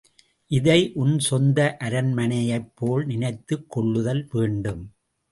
இதை உன் சொந்த அரண்மனையைப்போல நினைத்துக் கொள்ளுதல் வேண்டும்.